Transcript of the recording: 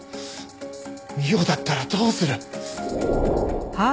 美緒だったらどうする？